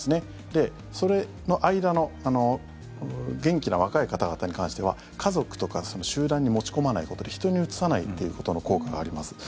で、それの間の元気な若い方々に関しては家族とか集団に持ち込まないことで人にうつさないということの効果があります。